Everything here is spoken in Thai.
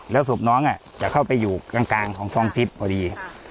แล้วศพน้องจะเข้าไปอยู่กลางของซองซิปพอดี